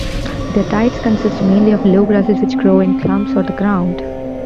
Their diets consist mainly of low grasses which grow in clumps on the ground.